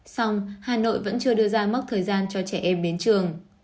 xong hà nội vẫn chưa đưa ra mốc thời gian cho trẻ em đến trường